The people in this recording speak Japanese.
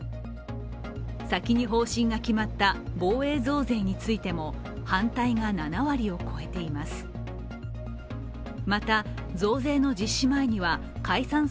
先に方針が決まった防衛増税についても反対が７割を超えています。